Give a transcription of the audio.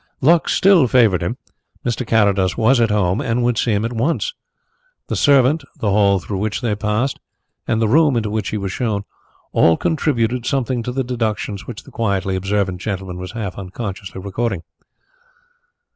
Luck still favoured him; Mr. Carrados was at home and would see him at once. The servant, the hall through which they passed, and the room into which he was shown, all contributed something to the deductions which the quietly observant gentleman was half unconsciously recording.